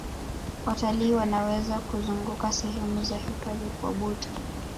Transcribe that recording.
watalii Wanaweza kuzunguka sehemu za hifadhi kwa boti